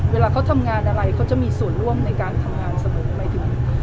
เวลาเขาทำงานอะไรเขาจะมีส่วนร่วมในการทำงานเสมอมาถึง